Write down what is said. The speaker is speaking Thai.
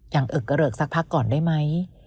อย่างอึกกระเหลือกสักพักก่อนได้ไหม